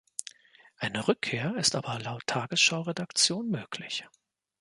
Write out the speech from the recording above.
Eine Rückkehr ist aber laut Tagesschau-Redaktion möglich.